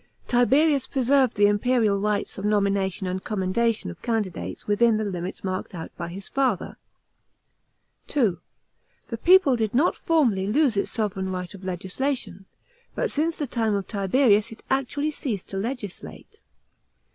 Tiberius preserved the imperial rights of nomination and commendation of candidates within the limits marked out by his father. (2) The people did not formally lose its sovran right of legislation, but since the time of Tiberius it actually ceased to legislate.